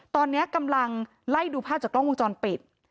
ตอนนี้กำลังไล่ดูภาพจากกล้องวงจรปิด